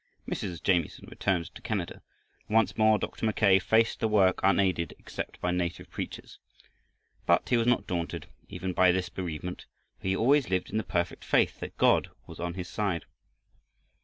Mrs. Jamieson returned to Canada, and once more Dr. Mackay faced the work, unaided except by native preachers. But he was not daunted even by this bereavement, for he always lived in the perfect faith that God was on his side.